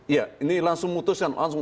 ya ini langsung mutuskan